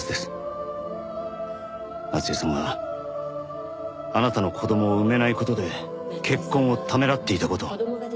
夏恵さんはあなたの子供を産めない事で結婚をためらっていた事。